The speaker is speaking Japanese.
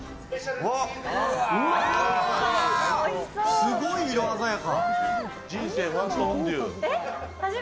すごい色鮮やか。